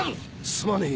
すまねえ。